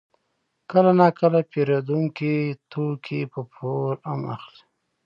کله ناکله پېرودونکي توکي په پور هم اخلي